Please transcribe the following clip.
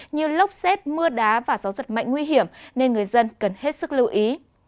như lốc xét mưa đá và gió giật mạnh nguy hiểm nên người dân cần hết sức lưu ý